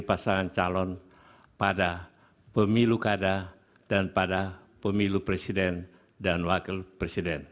pasangan calon pada pemilu kada dan pada pemilu presiden dan wakil presiden